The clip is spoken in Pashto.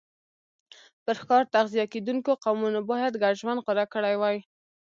پر ښکار تغذیه کېدونکو قومونو باید ګډ ژوند غوره کړی وای